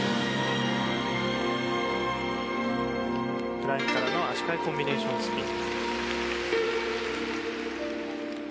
フライングからの足換えコンビネーションスピン。